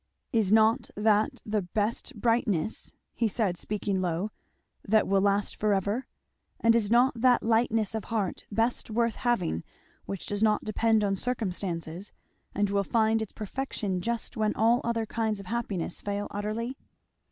"Is not that the best brightness," he said speaking low, "that will last forever? and is not that lightness of heart best worth having which does not depend on circumstances, and will find its perfection just when all other kinds of happiness fail utterly?"